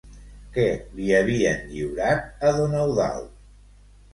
Què li havien lliurat a don Eudald?